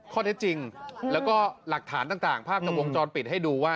ข้อเท็จจริงแล้วก็หลักฐานต่างภาพจากวงจรปิดให้ดูว่า